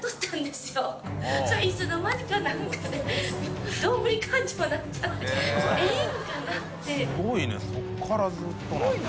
すごいな。